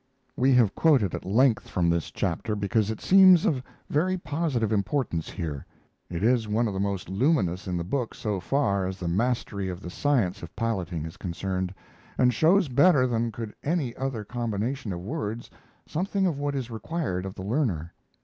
We have quoted at length from this chapter because it seems of very positive importance here. It is one of the most luminous in the book so far as the mastery of the science of piloting is concerned, and shows better than could any other combination of words something of what is required of the learner.